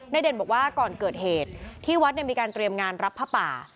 เด่นบอกว่าก่อนเกิดเหตุที่วัดมีการเตรียมงานรับผ้าป่า